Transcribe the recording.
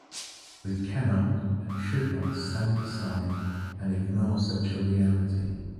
We cannot and should not stand aside and ignore such a reality.